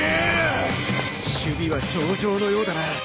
首尾は上々のようだな。